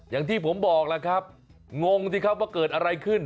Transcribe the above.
อย่างที่ผมบอกล่ะครับงงสิครับว่าเกิดอะไรขึ้น